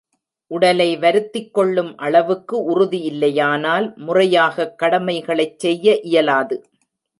உடலை வருத்திக் கொள்ளும் அளவுக்கு உறுதி இல்லையானால் முறையாகக் கடமைகளைச் செய்ய இயலாது.